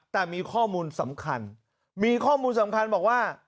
แต่มีข้อมูลสำคัญมีข้อมูลสำคัญบอกว่า